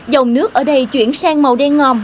dòng nước ở đây chuyển sang màu đen ngòm